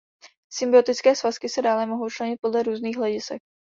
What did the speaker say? Symbiotické svazky se dále mohou členit podle různých hledisek.